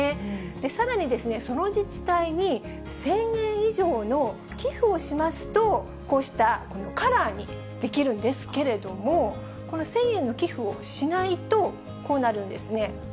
さらにその自治体に１０００円以上の寄付をしますと、こうしたカラーにできるんですけれども、この１０００円の寄付をしないと、こうなるんですね。